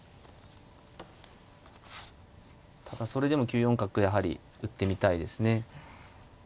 ただそれでも９四角やはり打ってみたいですね。